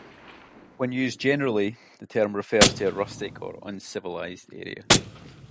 When used generally, the term refers to a rustic or uncivilized area.